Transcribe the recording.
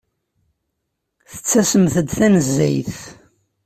Tettasemt-d tanezzayt.